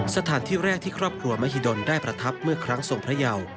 สถานที่แรกที่ครอบครัวมหิดลได้ประทับเมื่อครั้งทรงพระเยา